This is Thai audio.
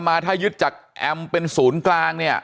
มาถ้ายึดจากแอมเป็นศูนย์กลางเนี่ย